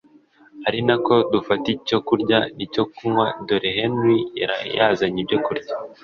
ari nako dufata icyo kurya nicyo kunywa dore ko Henry yari yazanye ibyo kurya